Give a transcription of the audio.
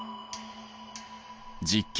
実験